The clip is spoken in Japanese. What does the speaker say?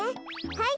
はい。